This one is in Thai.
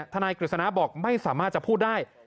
นายกฤษณะบอกไม่สามารถจะพูดได้